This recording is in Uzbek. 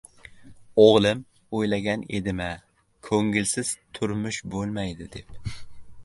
«O‘g‘lim, o‘ylagan edim-a, ko‘ngilsiz turmush bo‘lmaydi deb.